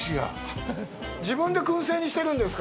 自分で燻製にしてるんですか。